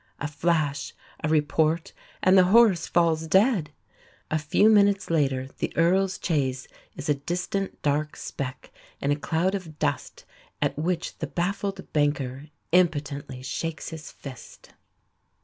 A flash, a report, and the horse falls dead. A few minutes later the Earl's chaise is a distant dark speck in a cloud of dust, at which the baffled banker impotently shakes his fist.